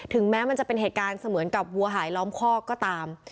ถึงแม้เป็นเหตุการณ์เหมือนกับหัวหายล้อมข้อกก็ตาม